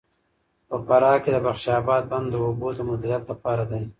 په فراه کې د بخش اباد بند د اوبو د مدیریت لپاره دی.